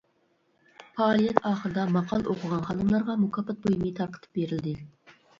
پائالىيەت ئاخىرىدا ماقالە ئوقۇغان خانىملارغا مۇكاپات بۇيۇمى تارقىتىپ بېرىلدى.